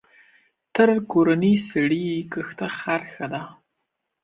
تر کورني سړي کښته خر ښه دى.